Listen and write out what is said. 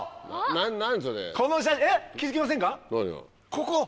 ここ！